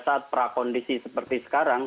saat prakondisi seperti sekarang